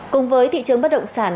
cùng với thị trường bất động sản